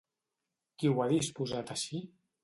Qui ho ha disposat així?